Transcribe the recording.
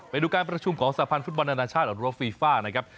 ไปดูการประชุมของสะพานฟุตบอลอันดังชาติอันดับรวมฟีฟ้า